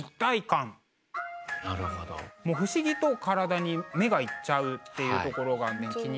もう不思議と体に目がいっちゃうっていうところが気になったんですね。